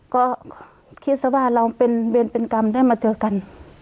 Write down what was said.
ก็คิดซะว่าเราเป็นเวรเป็นกรรมได้มาเจอกัน